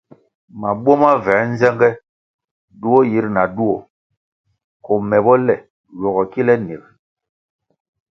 Mabuo ma vuē nzenge duo yir na duo koh me bo le ywogo kile nig.